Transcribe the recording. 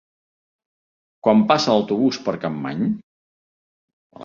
Quan passa l'autobús per Capmany?